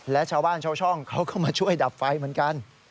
และชาวบ้านชาวช่องเขาก็มาช่วยดับไฟเหมือนกัน